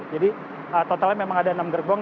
jadi totalnya memang ada enam gerbong